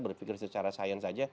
berpikir secara sains saja